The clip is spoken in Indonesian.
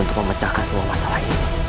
untuk memecahkan semua masalah ini